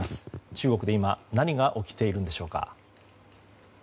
中国で今何が起きているんでしょうか。